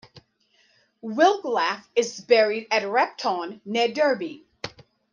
Wiglaf is buried at Repton, near Derby.